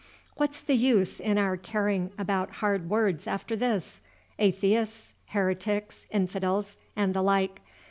"What's the use in our caring about hard words after this, 'atheists,' heretics, infidels, and the like?